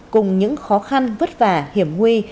cùng những khó khăn vất vả hiểm huy